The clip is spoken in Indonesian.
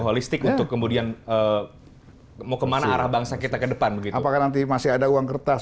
holistik untuk kemudian mau kemana arah bangsa kita ke depan apakah nanti masih ada uang kertas